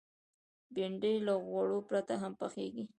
بېنډۍ له غوړو پرته هم پخېږي